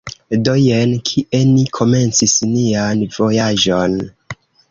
Do, jen kie ni komencis nian vojaĝon